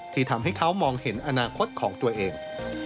ที่ทำให้เขามองเห็นอนาคตของตัวเอง